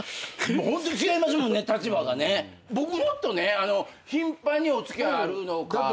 僕もっと頻繁にお付き合いあるのかな。